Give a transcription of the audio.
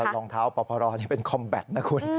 รองเท้าปพรเป็นคอมแบตนะคุณ